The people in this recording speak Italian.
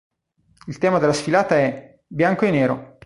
Il tema della sfilata è "Bianco e Nero".